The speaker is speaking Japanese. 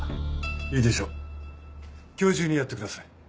いいでしょう今日中にやってください。